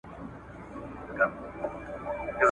د یوې برخي یوه ویډیو را ولېږله !.